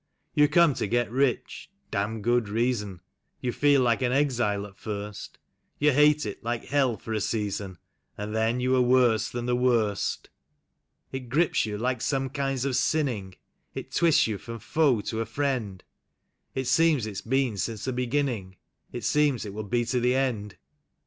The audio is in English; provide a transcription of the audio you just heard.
You come to get rich (damned good reason), You feel like an exile at first; You hate it like hell for a season, And then you are worse than the worst. It grips you like some kinds of sinning; It twists you from foe to a friend; It seems it's beeli since the beginning; It seems it will be to the end.